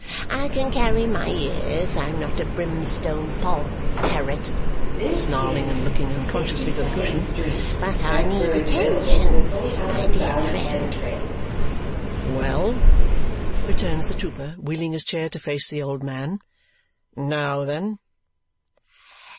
I can carry my years; I am not a brimstone poll parrot" (snarling and looking unconsciously for the cushion), "but I need attention, my dear friend." "Well!" returns the trooper, wheeling his chair to face the old man. "Now then?"